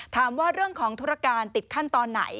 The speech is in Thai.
ถามว่าเรื่องของธุรการติดขั้นตอนไหน